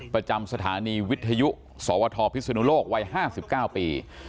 ประจำสถานีวิทยุสวทพิศนุโลกวัย๕๙ปี